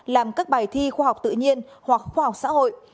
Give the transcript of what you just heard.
làm các bài thi khoa học tự nhiên hoặc khoa học xã hội